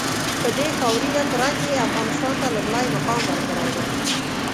په دې خاورینه کُره کې یې افغانستان ته لومړی مقام ورکړی دی.